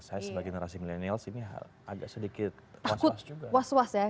saya sebagai generasi milenial sini agak sedikit was was ya